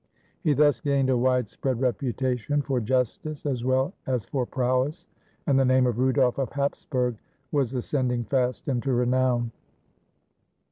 He thus gained a widespread reputation for justice, as well as for prowess, and the name of Rudolf of Hapsburg was ascending fast into renown.